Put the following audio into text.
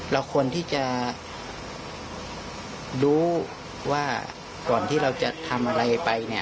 เราควรที่จะรู้ว่าก่อนที่เราจะทำอะไรไปเนี่ย